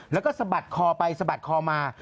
แล้วก็สะบัดคอไปสะบัดคอมา